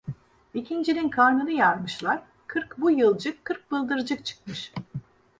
Ekincinin karnını yarmışlar; kırk bu yılcık, kırk bıldırcık çıkmış.